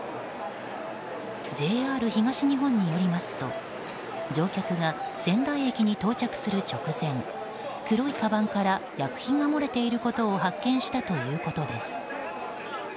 ＪＲ東日本によりますと乗客が仙台駅に到着する直前黒いかばんから薬品が漏れていることを発見したということです。